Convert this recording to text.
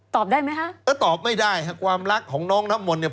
ได้ไหมคะก็ตอบไม่ได้ฮะความรักของน้องน้ำมนต์เนี่ย